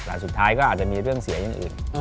แต่สุดท้ายก็อาจจะมีเรื่องเสียอย่างอื่น